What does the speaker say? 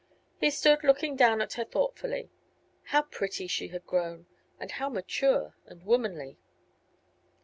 He stood looking down at her thoughtfully. How pretty she had grown; and how mature and womanly.